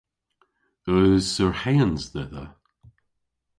Eus surheans dhedha?